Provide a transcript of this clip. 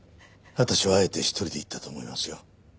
私はあえて一人で行ったと思いますよ。